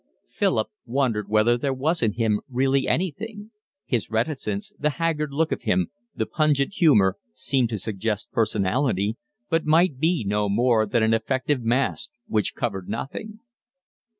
Philip wondered whether there was in him really anything: his reticence, the haggard look of him, the pungent humour, seemed to suggest personality, but might be no more than an effective mask which covered nothing.